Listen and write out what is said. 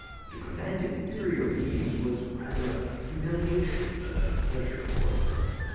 To command inferior beings was rather a humiliation than a pleasure for her.